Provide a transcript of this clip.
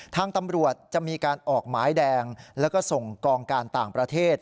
ทางตำรวจจะมีการออกหมายแดงแล้วก็ส่งกองการต่างประเทศ